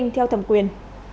theo thẩm quyền